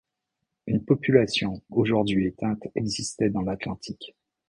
Une population aujourd'hui éteinte existait dans l'Atlantique.